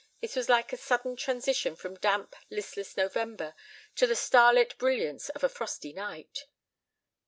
It was like a sudden transition from damp, listless November to the starlit brilliance of a frosty night.